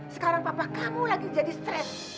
sekarang papa kamu lagi jadi stres